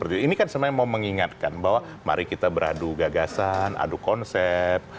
ini kan sebenarnya mau mengingatkan bahwa mari kita beradu gagasan adu konsep